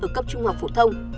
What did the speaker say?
ở cấp trung học phổ thông